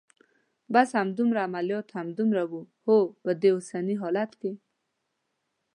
بس همدومره؟ عملیات همدومره و؟ هو، په دې اوسني حالت کې.